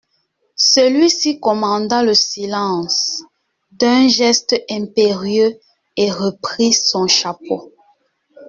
Celui-ci commanda le silence d'un geste impérieux et reprit son chapeau.